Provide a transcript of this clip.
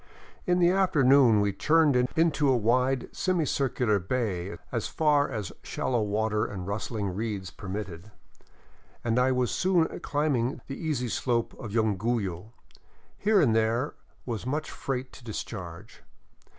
In the afternoon we churned Into a wide, semi cIrcular bay as far as shallow water and rustling reeds permitted, and I was soon climbing the easy slope to Yunguyo. Here and there was much freight to dis charge.